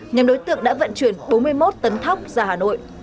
nhóm đối tượng đã vận chuyển bốn mươi một tấn thóc ra hà nội